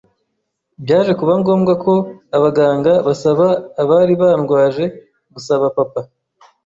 byaje kuba ngombwa ko abaganga basaba abari bandwaje gusaba papa